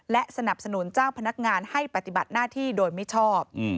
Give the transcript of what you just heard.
และสนับสนุนเจ้าพนักงานให้ปฏิบัติหน้าที่โดยมิชอบ